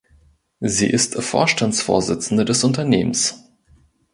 Sie ist Vorstandsvorsitzende des Unternehmens.